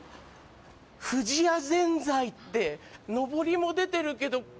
富士家ぜんざいってのぼりも出てるけど。